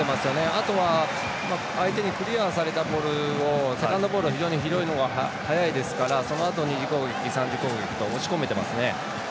あとは、相手にクリアされたボールをセカンドボールを拾うのが非常に早いですからそのあとに２次攻撃、３次攻撃と押し込めてますね。